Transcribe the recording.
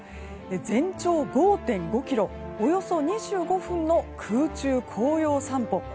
全長５．５ｋｍおよそ２５分の空中紅葉散歩。